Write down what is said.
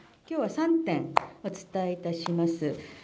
きょうは３点、お伝えいたします。